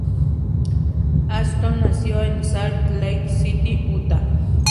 Ashton nació en Salt Lake City, Utah.